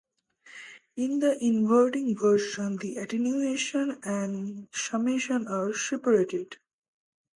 In the inverting version, the attenuation and summation are separated.